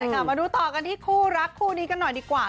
มาดูต่อกันที่คู่รักคู่นี้กันหน่อยดีกว่า